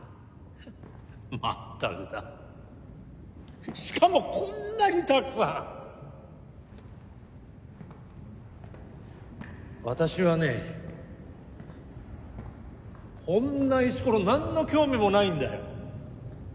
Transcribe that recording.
まったくだしかもこんなにたくさん私はねこんな石ころ何の興味もないんだよ